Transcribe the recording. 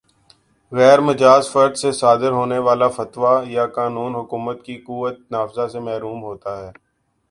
غیر مجاز فرد سے صادر ہونے والا فتویٰ یا قانون حکومت کی قوتِ نافذہ سے محروم ہوتا ہے